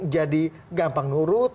jadi gampang nurut